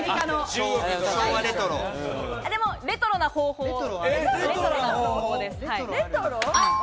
でもレトロな方法です。